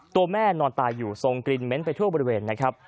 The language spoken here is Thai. ตัวแม่นอนตายอยู่ทรงกลิ่นเม้นไปทั่วบริเวณนะครับ